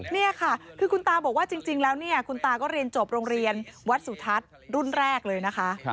นี่ค่ะคือคุณตาบอกว่าจริงแล้วเนี่ยคุณตาก็เรียนจบโรงเรียนวัดสุทัศน์รุ่นแรกเลยนะคะ